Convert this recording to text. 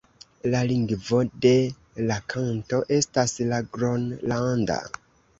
La lingvo de la kanto estas la gronlanda.